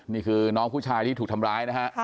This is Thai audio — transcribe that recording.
นี่คือน้องผู้ชายที่ถูกทำร้ายนะฮะ